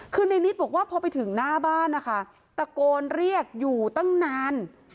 คือในนิดบอกว่าพอไปถึงหน้าบ้านนะคะตะโกนเรียกอยู่ตั้งนาน